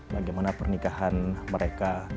bagaimana pernikahan mereka